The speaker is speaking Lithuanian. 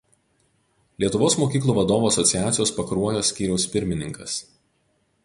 Lietuvos mokyklų vadovų asociacijos Pakruojo skyriaus pirmininkas.